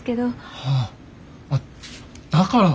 あだから。